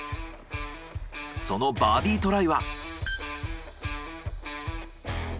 そのバーディトライは。